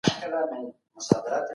پوښتنه وسوه چې ولې طلاق ډېر دی.